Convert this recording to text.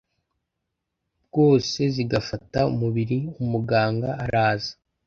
bwose zigafata umubiri Umuganga araza